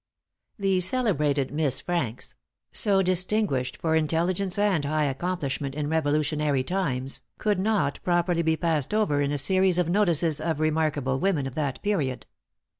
"The celebrated Miss Franks" so distinguished for intelligence and high accomplishment, in Revolutionary times, could not properly be passed over in a series of notices of remarkable women of that period.